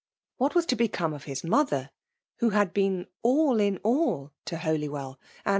— What was to become ofkb ♦« .mother; who had been all in all to Holywdl, iaiid.